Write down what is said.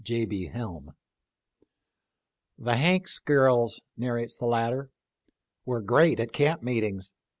* "The Hanks girls," narrates the latter, "were great at camp meetings.